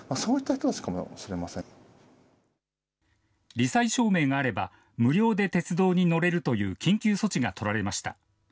り災証明があれば、無料で鉄道に乗れるという緊急措置が取られました。